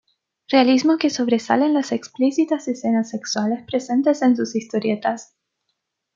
Realismo que sobresale en las explícitas escenas sexuales presentes en sus historietas.